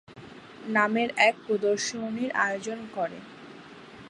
নামের এক প্রদর্শনীর আয়োজন করে।